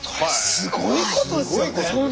すごいことですよ。